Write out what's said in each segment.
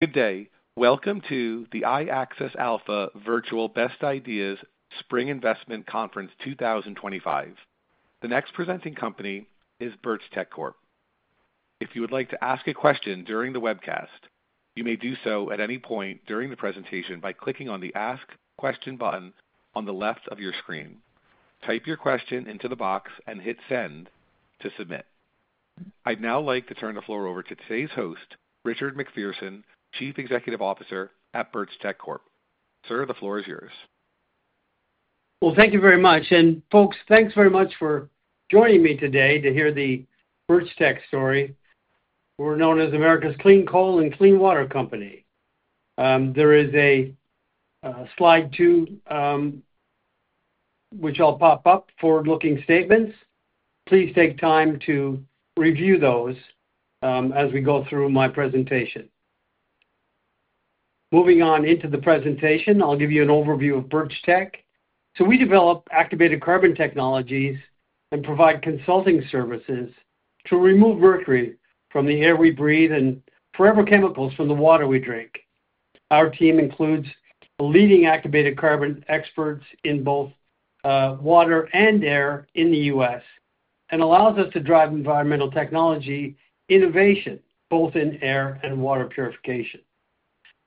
Good day. Welcome to the iAccess Alpha Virtual Best Ideas Spring Investment Conference 2025. The next presenting company is Birchtech Corp. If you would like to ask a question during the webcast, you may do so at any point during the presentation by clicking on the Ask Question button on the left of your screen. Type your question into the box and hit Send to submit. I'd now like to turn the floor over to today's host, Richard MacPherson, Chief Executive Officer at Birchtech Corp. Sir, the floor is yours. Thank you very much. Folks, thanks very much for joining me today to hear the Birchtech story. We're known as America's Clean Coal and Clean Water Company. There is a slide two which will pop up forward-looking statements. Please take time to review those as we go through my presentation. Moving on into the presentation, I'll give you an overview of Birchtech. We develop activated carbon technologies and provide consulting services to remove mercury from the air we breathe and forever chemicals from the water we drink. Our team includes leading activated carbon experts in both water and air in the U.S. and allows us to drive environmental technology innovation both in air and water purification.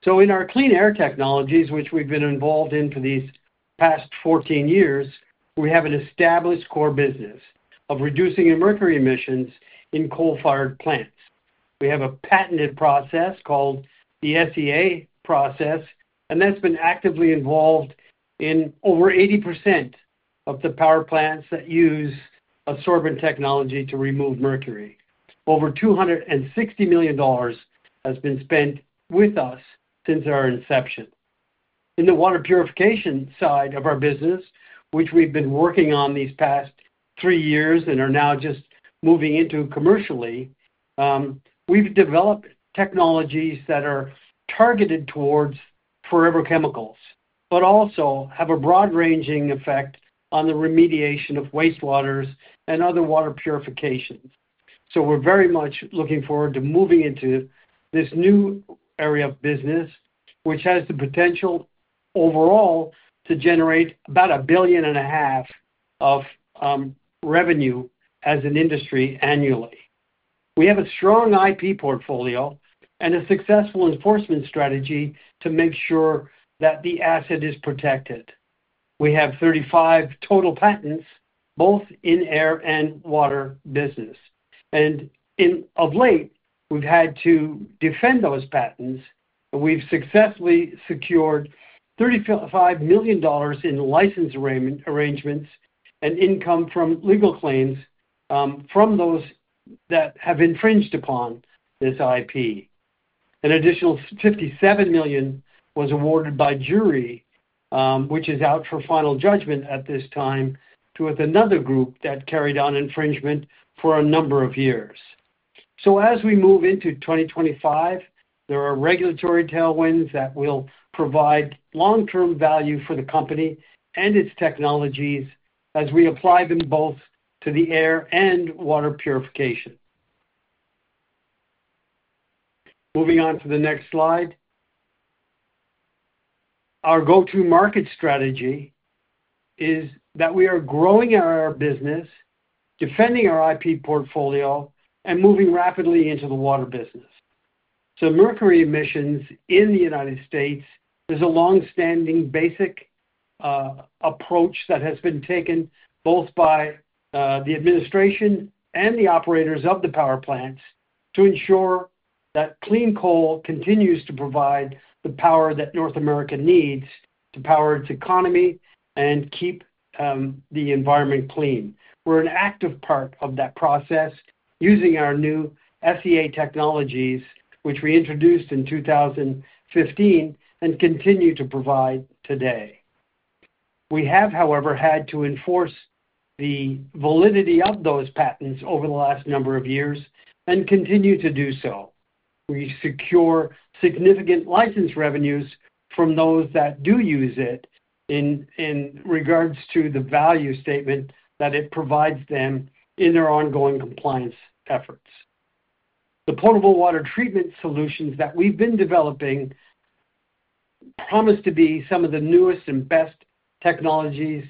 In our clean air technologies, which we've been involved in for these past 14 years, we have an established core business of reducing mercury emissions in coal-fired plants. We have a patented process called the SEA process, and that's been actively involved in over 80% of the power plants that use sorbent technology to remove mercury. Over $260 million has been spent with us since our inception. In the water purification side of our business, which we've been working on these past three years and are now just moving into commercially, we've developed technologies that are targeted towards forever chemicals, but also have a broad-ranging effect on the remediation of wastewaters and other water purification. We are very much looking forward to moving into this new area of business, which has the potential overall to generate about $1.5 billion of revenue as an industry annually. We have a strong IP portfolio and a successful enforcement strategy to make sure that the asset is protected. We have 35 total patents both in air and water business. Of late, we've had to defend those patents, and we've successfully secured $35 million in license arrangements and income from legal claims from those that have infringed upon this IP. An additional $57 million was awarded by jury, which is out for final judgment at this time, to another group that carried on infringement for a number of years. As we move into 2025, there are regulatory tailwinds that will provide long-term value for the company and its technologies as we apply them both to the air and water purification. Moving on to the next slide. Our go-to-market strategy is that we are growing our business, defending our IP portfolio, and moving rapidly into the water business. Mercury emissions in the United States, there's a long-standing basic approach that has been taken both by the administration and the operators of the power plants to ensure that clean coal continues to provide the power that North America needs to power its economy and keep the environment clean. We're an active part of that process using our new SEA technologies, which we introduced in 2015 and continue to provide today. We have, however, had to enforce the validity of those patents over the last number of years and continue to do so. We secure significant license revenues from those that do use it in regards to the value statement that it provides them in their ongoing compliance efforts. The potable water treatment solutions that we've been developing promise to be some of the newest and best technologies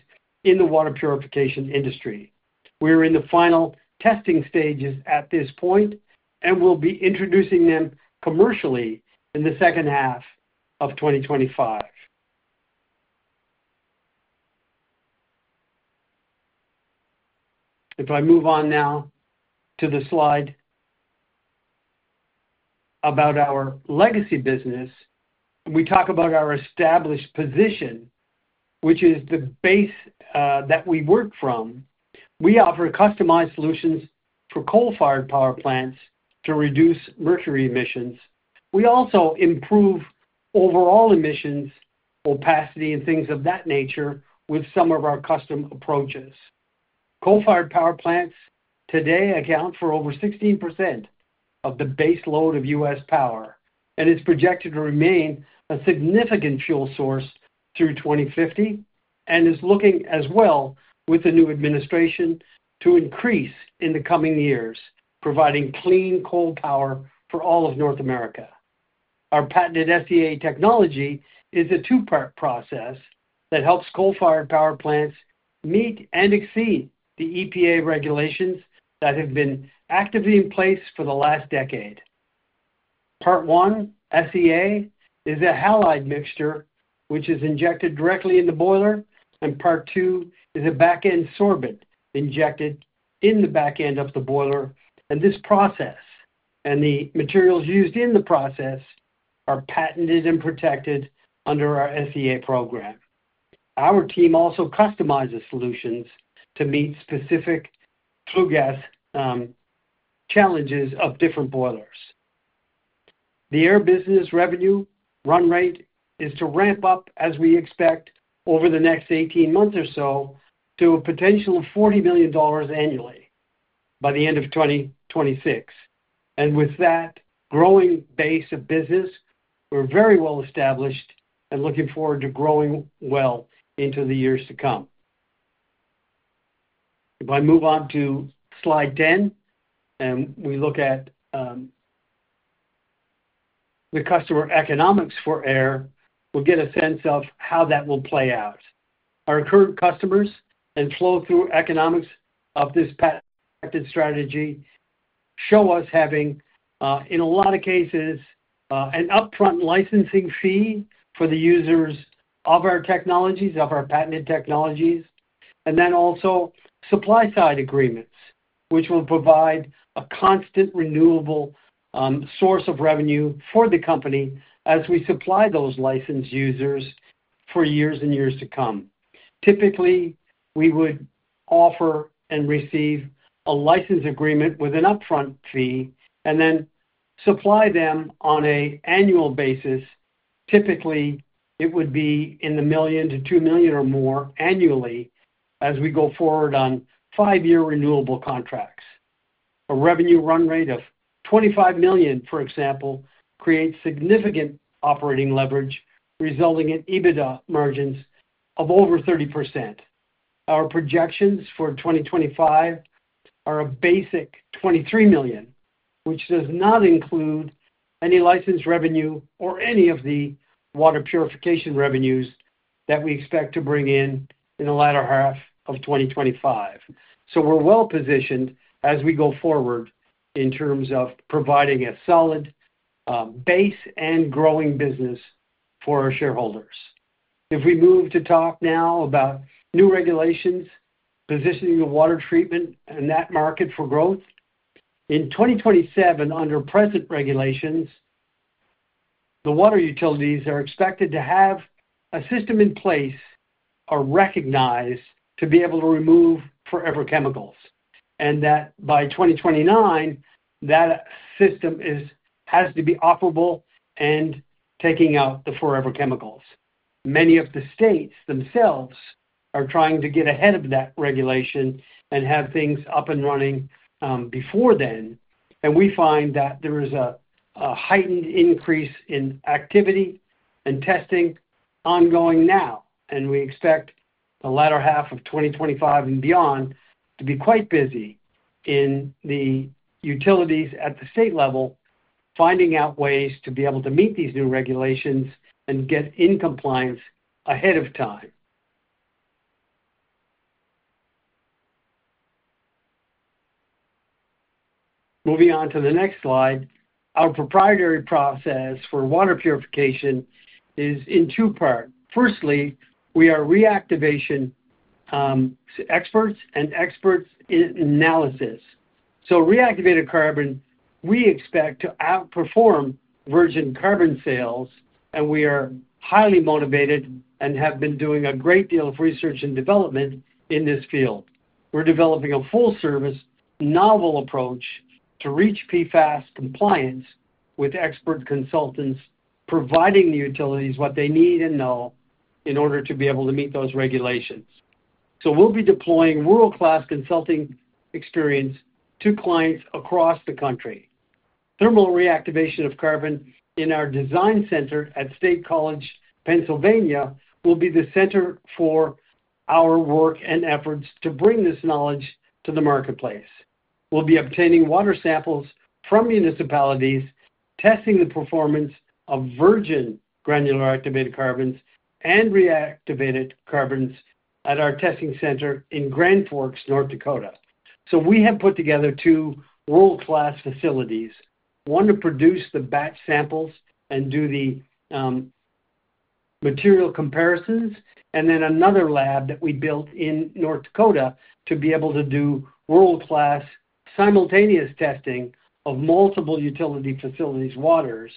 in the water purification industry. We're in the final testing stages at this point and will be introducing them commercially in the second half of 2025. If I move on now to the slide about our legacy business, we talk about our established position, which is the base that we work from. We offer customized solutions for coal-fired power plants to reduce mercury emissions. We also improve overall emissions, opacity, and things of that nature with some of our custom approaches. Coal-fired power plants today account for over 16% of the base load of U.S. power, and it's projected to remain a significant fuel source through 2050 and is looking as well with the new administration to increase in the coming years, providing clean coal power for all of North America. Our patented SEA technology is a two-part process that helps coal-fired power plants meet and exceed the EPA regulations that have been actively in place for the last decade. Part one, SEA, is a halide mixture, which is injected directly in the boiler, and part two is a back-end sorbent injected in the back end of the boiler. This process and the materials used in the process are patented and protected under our SEA program. Our team also customizes solutions to meet specific flue gas challenges of different boilers. The air business revenue run rate is to ramp up, as we expect, over the next 18 months or so to a potential of $40 million annually by the end of 2026. With that growing base of business, we are very well established and looking forward to growing well into the years to come. If I move on to slide 10 and we look at the customer economics for air, we'll get a sense of how that will play out. Our current customers and flow-through economics of this patented strategy show us having, in a lot of cases, an upfront licensing fee for the users of our technologies, of our patented technologies, and then also supply-side agreements, which will provide a constant renewable source of revenue for the company as we supply those licensed users for years and years to come. Typically, we would offer and receive a license agreement with an upfront fee and then supply them on an annual basis. Typically, it would be in the $1 million-$2 million or more annually as we go forward on five-year renewable contracts. A revenue run rate of $25 million, for example, creates significant operating leverage, resulting in EBITDA margins of over 30%. Our projections for 2025 are a basic $23 million, which does not include any license revenue or any of the water purification revenues that we expect to bring in in the latter half of 2025. We are well positioned as we go forward in terms of providing a solid base and growing business for our shareholders. If we move to talk now about new regulations positioning the water treatment and that market for growth, in 2027, under present regulations, the water utilities are expected to have a system in place recognized to be able to remove forever chemicals, and that by 2029, that system has to be operable and taking out the forever chemicals. Many of the states themselves are trying to get ahead of that regulation and have things up and running before then. We find that there is a heightened increase in activity and testing ongoing now, and we expect the latter half of 2025 and beyond to be quite busy in the utilities at the state level, finding out ways to be able to meet these new regulations and get in compliance ahead of time. Moving on to the next slide, our proprietary process for water purification is in two parts. Firstly, we are reactivation experts and experts in analysis. Reactivated carbon, we expect to outperform virgin carbon sales, and we are highly motivated and have been doing a great deal of research and development in this field. We are developing a full-service novel approach to reach PFAS compliance with expert consultants, providing the utilities what they need and know in order to be able to meet those regulations. We will be deploying world-class consulting experience to clients across the country. Thermal reactivation of carbon in our design center at State College, Pennsylvania, will be the center for our work and efforts to bring this knowledge to the marketplace. We'll be obtaining water samples from municipalities, testing the performance of virgin granular activated carbons and reactivated carbons at our testing center in Grand Forks, North Dakota. We have put together two world-class facilities, one to produce the batch samples and do the material comparisons, and then another lab that we built in North Dakota to be able to do world-class simultaneous testing of multiple utility facilities' waters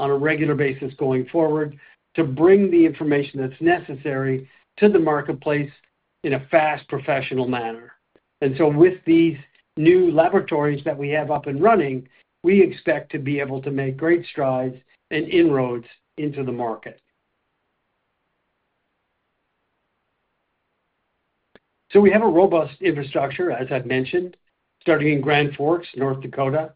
on a regular basis going forward to bring the information that's necessary to the marketplace in a fast professional manner. With these new laboratories that we have up and running, we expect to be able to make great strides and inroads into the market. We have a robust infrastructure, as I've mentioned, starting in Grand Forks, North Dakota,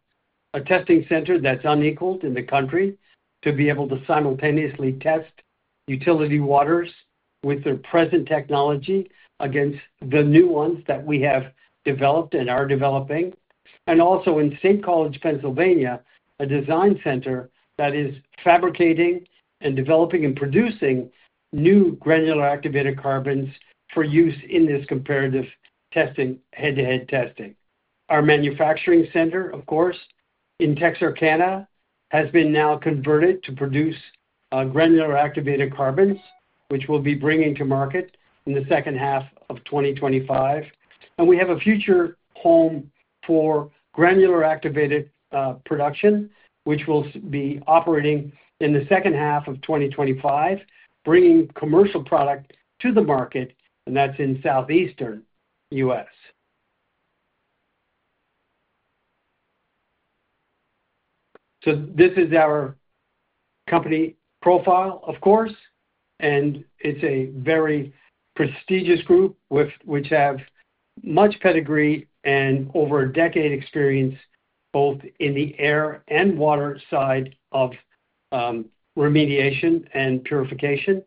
a testing center that's unequaled in the country to be able to simultaneously test utility waters with their present technology against the new ones that we have developed and are developing, and also in State College, Pennsylvania, a design center that is fabricating and developing and producing new granular activated carbons for use in this comparative testing, head-to-head testing. Our manufacturing center, of course, in Texarkana, has been now converted to produce granular activated carbons, which we'll be bringing to market in the second half of 2025. We have a future home for granular activated production, which will be operating in the second half of 2025, bringing commercial product to the market, and that's in the southeastern United States. This is our company profile, of course, and it's a very prestigious group with much pedigree and over a decade experience both in the air and water side of remediation and purification.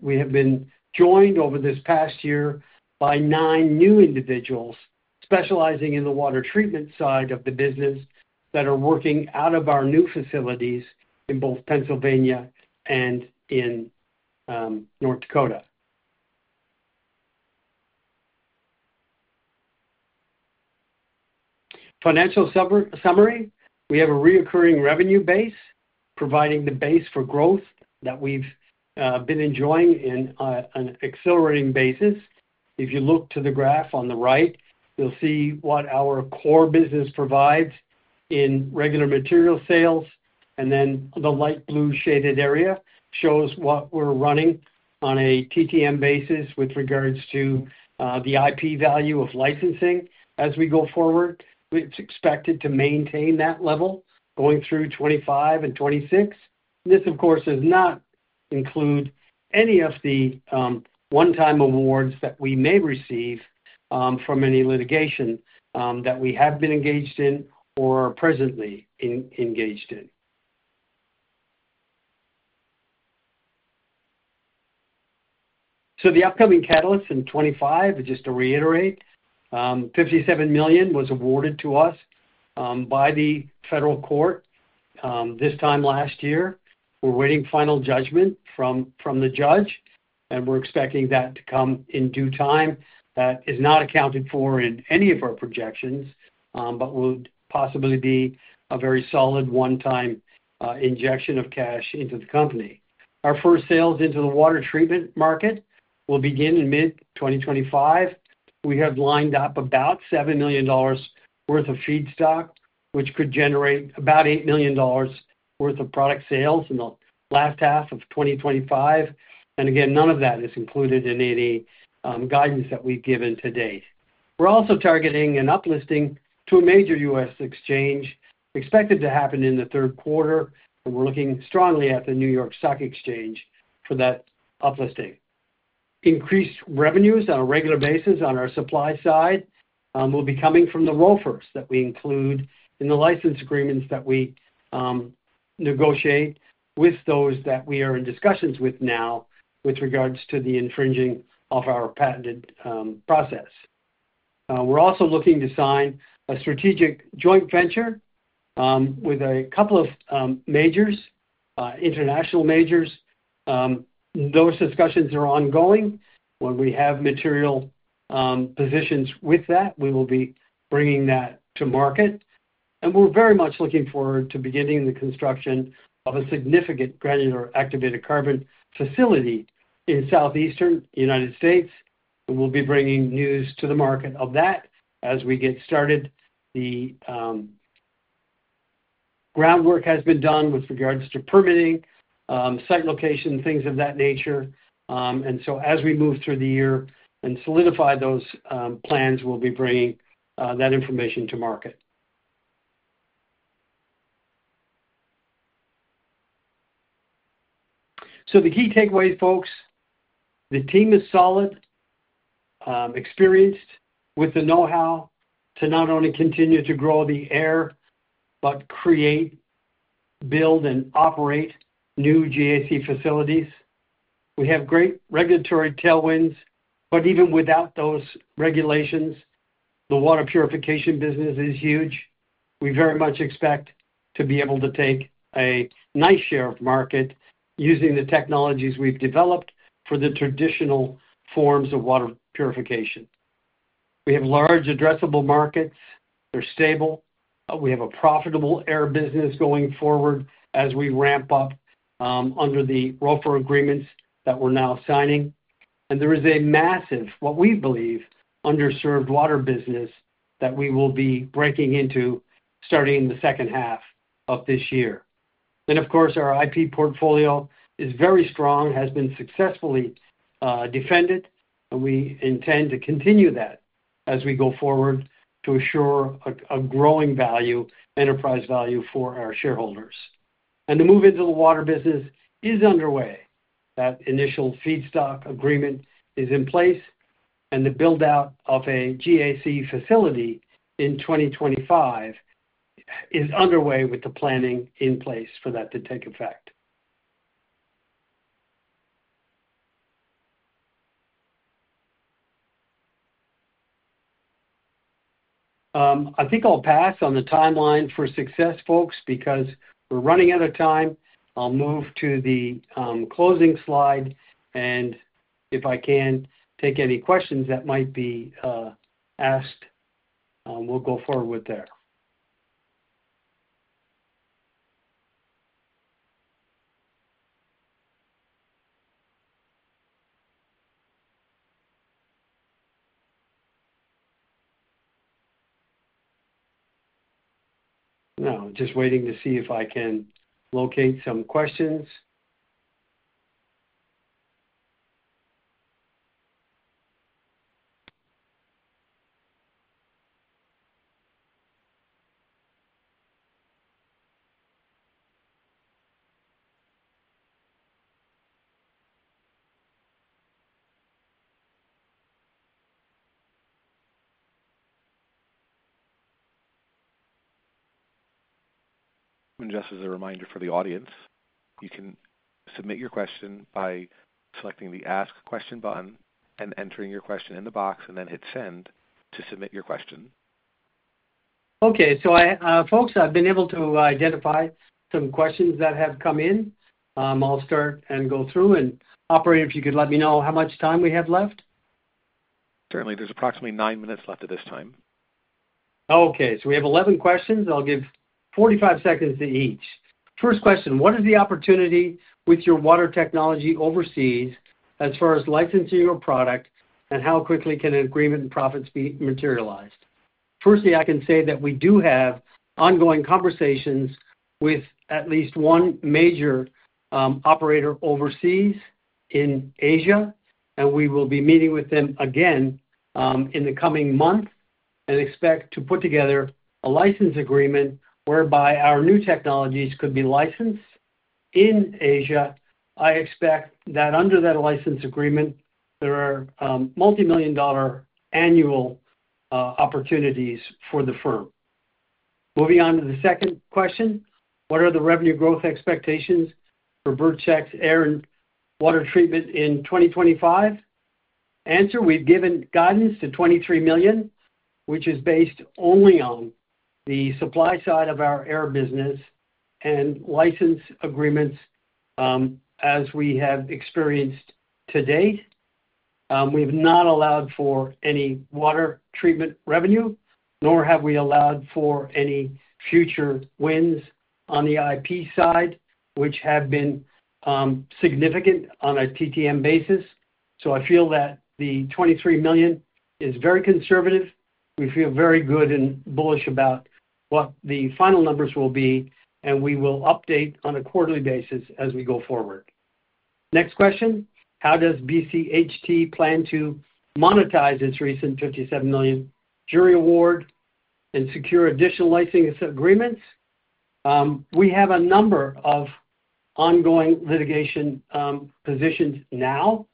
We have been joined over this past year by nine new individuals specializing in the water treatment side of the business that are working out of our new facilities in both Pennsylvania and in North Dakota. Financial summary, we have a recurring revenue base, providing the base for growth that we've been enjoying on an accelerating basis. If you look to the graph on the right, you'll see what our core business provides in regular material sales, and then the light blue shaded area shows what we're running on a TTM basis with regards to the IP value of licensing as we go forward. We expect it to maintain that level going through 2025 and 2026. This, of course, does not include any of the one-time awards that we may receive from any litigation that we have been engaged in or are presently engaged in. The upcoming catalysts in 2025, just to reiterate, $57 million was awarded to us by the federal court this time last year. We're waiting final judgment from the judge, and we're expecting that to come in due time. That is not accounted for in any of our projections, but would possibly be a very solid one-time injection of cash into the company. Our first sales into the water treatment market will begin in mid-2025. We have lined up about $7 million worth of feedstock, which could generate about $8 million worth of product sales in the last half of 2025. None of that is included in any guidance that we've given to date. We're also targeting an uplisting to a major US exchange expected to happen in the third quarter, and we're looking strongly at the New York Stock Exchange for that uplisting. Increased revenues on a regular basis on our supply side will be coming from the ROFRs that we include in the license agreements that we negotiate with those that we are in discussions with now with regards to the infringing of our patented process. We're also looking to sign a strategic joint venture with a couple of majors, international majors. Those discussions are ongoing. When we have material positions with that, we will be bringing that to market. We are very much looking forward to beginning the construction of a significant granular activated carbon facility in southeastern United States. will be bringing news to the market of that as we get started. The groundwork has been done with regards to permitting, site location, things of that nature. As we move through the year and solidify those plans, we will be bringing that information to market. The key takeaways, folks, the team is solid, experienced with the know-how to not only continue to grow the air, but create, build, and operate new GAC facilities. We have great regulatory tailwinds, but even without those regulations, the water purification business is huge. We very much expect to be able to take a nice share of market using the technologies we have developed for the traditional forms of water purification. We have large addressable markets. They are stable. We have a profitable air business going forward as we ramp up under the ROFR agreements that we are now signing. There is a massive, what we believe, underserved water business that we will be breaking into starting in the second half of this year. Of course, our IP portfolio is very strong, has been successfully defended, and we intend to continue that as we go forward to assure a growing value, enterprise value for our shareholders. The move into the water business is underway. That initial feedstock agreement is in place, and the build-out of a GAC facility in 2025 is underway with the planning in place for that to take effect. I think I'll pass on the timeline for success, folks, because we're running out of time. I'll move to the closing slide, and if I can take any questions that might be asked, we'll go forward there. No, just waiting to see if I can locate some questions. Just as a reminder for the audience, you can submit your question by selecting the Ask Question button and entering your question in the box, and then hit Send to submit your question. Okay. Folks, I've been able to identify some questions that have come in. I'll start and go through, and operator, if you could let me know how much time we have left. Certainly. There's approximately nine minutes left at this time. Okay. We have 11 questions. I'll give 45 seconds to each. First question, what is the opportunity with your water technology overseas as far as licensing your product, and how quickly can an agreement and profits be materialized? Firstly, I can say that we do have ongoing conversations with at least one major operator overseas in Asia, and we will be meeting with them again in the coming months and expect to put together a license agreement whereby our new technologies could be licensed in Asia. I expect that under that license agreement, there are multi-million dollar annual opportunities for the firm. Moving on to the second question, what are the revenue growth expectations for Birchtech's air and water treatment in 2025? Answer, we've given guidance to $23 million, which is based only on the supply side of our air business and license agreements as we have experienced to date. We have not allowed for any water treatment revenue, nor have we allowed for any future wins on the IP side, which have been significant on a TTM basis. I feel that the $23 million is very conservative. We feel very good and bullish about what the final numbers will be, and we will update on a quarterly basis as we go forward. Next question, how does BCHT plan to monetize its recent $57 million jury award and secure additional license agreements? We have a number of ongoing litigation positions now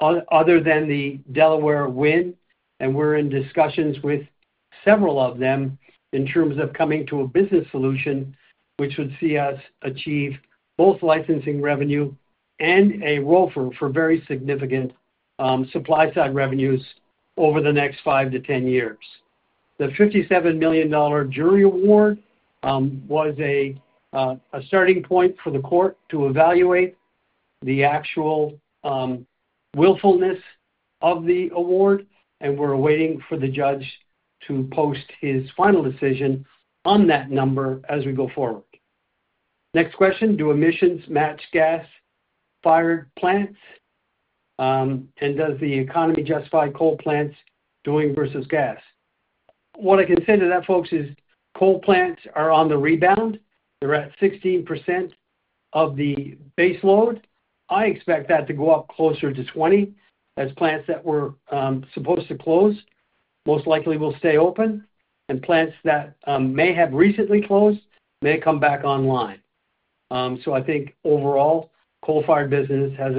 other than the Delaware win, and we're in discussions with several of them in terms of coming to a business solution which would see us achieve both licensing revenue and a ROFR for very significant supply side revenues over the next 5-10 years. The $57 million jury award was a starting point for the court to evaluate the actual willfulness of the award, and we're awaiting for the judge to post his final decision on that number as we go forward. Next question, do emissions match gas-fired plants, and does the economy justify coal plants doing versus gas? What I can say to that, folks, is coal plants are on the rebound. They're at 16% of the base load. I expect that to go up closer to 20% as plants that were supposed to close most likely will stay open, and plants that may have recently closed may come back online. I think overall, coal-fired business has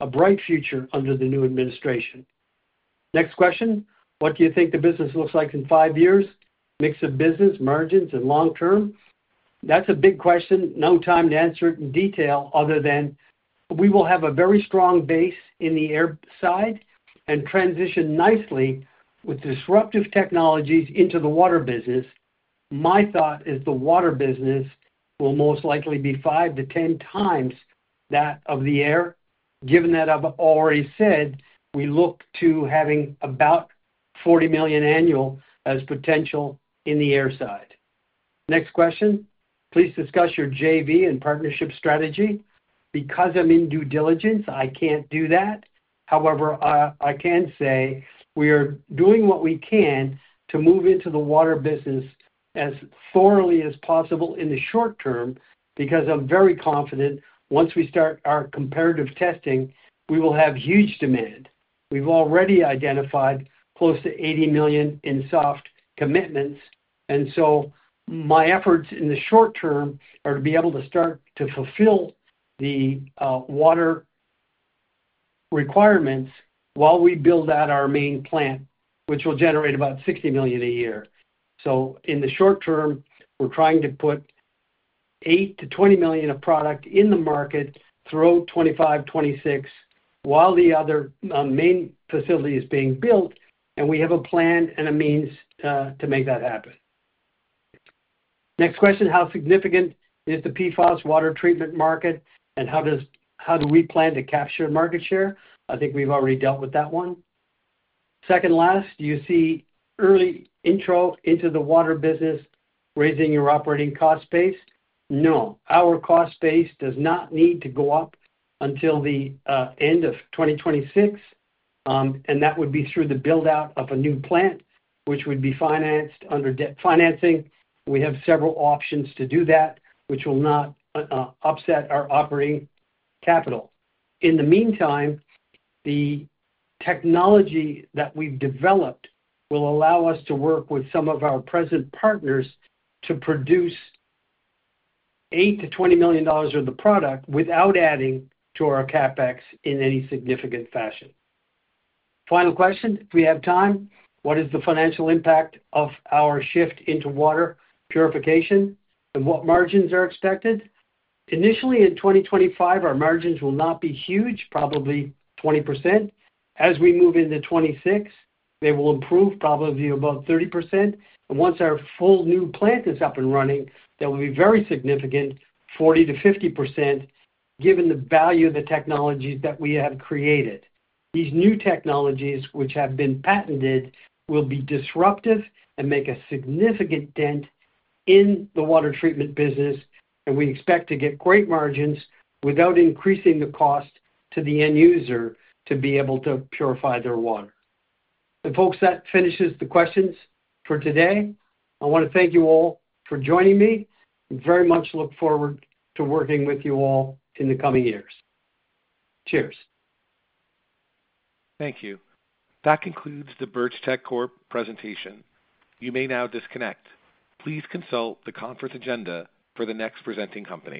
a bright future under the new administration. Next question, what do you think the business looks like in five years? Mix of business, margins, and long-term? That's a big question. No time to answer it in detail other than we will have a very strong base in the air side and transition nicely with disruptive technologies into the water business. My thought is the water business will most likely be 5-10 times that of the air. Given that I've already said, we look to having about $40 million annual as potential in the air side. Next question, please discuss your JV and partnership strategy. Because I'm in due diligence, I can't do that. However, I can say we are doing what we can to move into the water business as thoroughly as possible in the short term because I'm very confident once we start our comparative testing, we will have huge demand. We've already identified close to $80 million in soft commitments, and so my efforts in the short term are to be able to start to fulfill the water requirements while we build out our main plant, which will generate about $60 million a year. In the short term, we're trying to put $8 million-$20 million of product in the market throughout 2025, 2026 while the other main facility is being built, and we have a plan and a means to make that happen. Next question, how significant is the PFAS water treatment market, and how do we plan to capture market share? I think we've already dealt with that one. Second last, do you see early intro into the water business raising your operating cost base? No. Our cost base does not need to go up until the end of 2026, and that would be through the build-out of a new plant, which would be financed under debt financing. We have several options to do that, which will not upset our operating capital. In the meantime, the technology that we've developed will allow us to work with some of our present partners to produce $8 million-$20 million of the product without adding to our CapEx in any significant fashion. Final question, if we have time, what is the financial impact of our shift into water purification, and what margins are expected? Initially, in 2025, our margins will not be huge, probably 20%. As we move into 2026, they will improve probably to about 30%. Once our full new plant is up and running, that will be very significant, 40%-50%, given the value of the technologies that we have created. These new technologies, which have been patented, will be disruptive and make a significant dent in the water treatment business, and we expect to get great margins without increasing the cost to the end user to be able to purify their water. Folks, that finishes the questions for today. I want to thank you all for joining me. I very much look forward to working with you all in the coming years. Cheers. Thank you. That concludes the Birchtech Corp presentation. You may now disconnect. Please consult the conference agenda for the next presenting company.